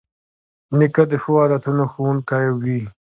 نیکه د ښو عادتونو ښوونکی وي.